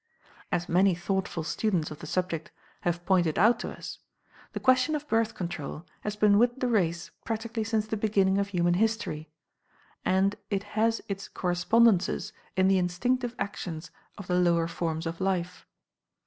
As many thoughtful students of the subject have pointed out to us, the question of Birth Control has been with the race practically since the beginning of human history; and it has its correspondences in the instinctive actions of the lower forms of life.